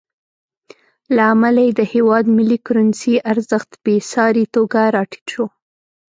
له امله یې د هېواد ملي کرنسۍ ارزښت بېساري توګه راټیټ شو.